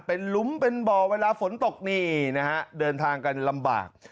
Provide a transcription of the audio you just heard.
เป็นหลุมเป็นบ่อเวลาฝนตกนี่นะฮะเดินทางกันลำบาก